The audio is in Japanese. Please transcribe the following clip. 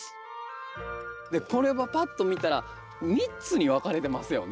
これはパッと見たら３つに分かれてますよね。